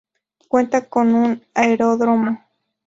Cuenta con un aeródromo.